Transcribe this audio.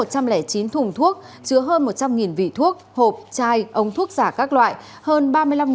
thu giữ một trăm linh chín thùng thuốc chứa hơn một trăm linh vỉ thuốc hộp chai ống thuốc giả các loại